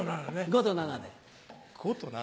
５と７で。